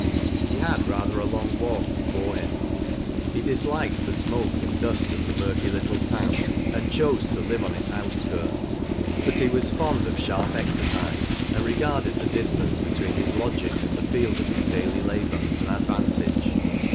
JTe had rather a long walk before him. He disliked the smoke and dust of the murky little town, and chose to live on its outskirts ; but he was fond of sharp exercise, and regarded the distance between his lodging and the field of his daily labor as an advantage.